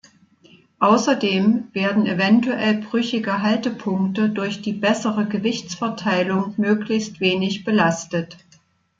Außerdem werden eventuell brüchige Haltepunkte durch die bessere Gewichtsverteilung möglichst wenig belastet.